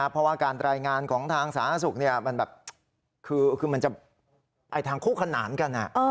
เพราะว่าการแรงงานของทางสาธารณสุขมันจะไปทางคู่ขนานกัน